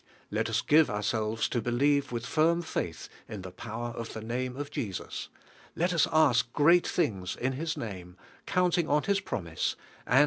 Let us gi ve ourselves to believe with firm fai tli in the power of the uimir of Jesus, let us ask great things in His name, counting on His promise, iind.